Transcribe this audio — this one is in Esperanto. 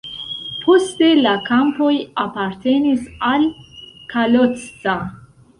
Poste la kampoj apartenis al Kalocsa.